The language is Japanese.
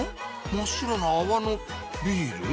真っ白な泡のビール？